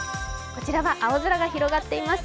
こちらは青空が広がっています。